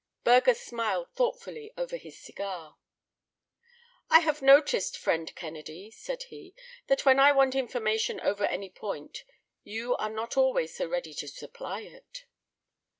Burger smiled thoughtfully over his cigar. "I have noticed, friend Kennedy," said he, "that when I want information over any point you are not always so ready to supply it."